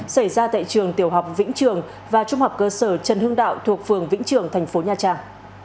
xảy ra tại trường tiểu học vĩnh trường và trung học cơ sở trần hương đạo thuộc phường vĩnh trường thành phố nha trang